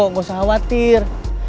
gak usah khawatir